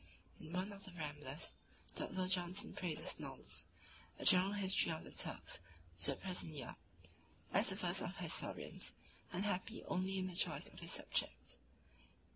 In one of the Ramblers, Dr. Johnson praises Knolles (a General History of the Turks to the present Year. London, 1603) as the first of historians, unhappy only in the choice of his subject.